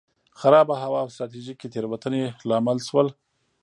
خرابه هوا او ستراتیژیکې تېروتنې لامل شول.